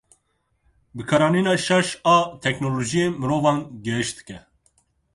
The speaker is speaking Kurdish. Bikaranîna şaş a teknolojiyê mirovan gêj dike.